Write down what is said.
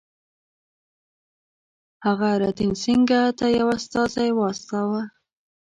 هغه رتن سینګه ته یو استازی واستاوه.